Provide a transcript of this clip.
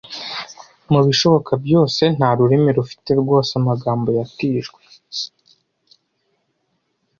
Mubishoboka byose, nta rurimi rufite rwose amagambo yatijwe.